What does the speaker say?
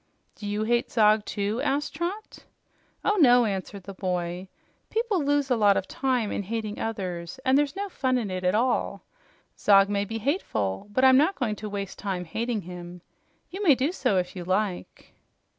"Do you hate Zog, too?" asked Trot. "Oh no," answered the boy. "People lose a lot of time in hating others, and there's no fun in it at all. Zog may be hateful, but I'm not going to waste time hating him. You may do so, if you like."